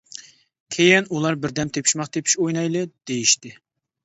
كېيىن ئۇلار بىردەم تېپىشماق تېپىش ئوينايلى، دېيىشتى.